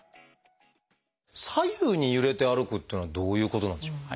左右に揺れて歩くっていうのはどういうことなんでしょう？